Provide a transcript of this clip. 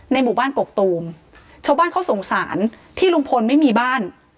หมู่บ้านกกตูมชาวบ้านเขาสงสารที่ลุงพลไม่มีบ้าน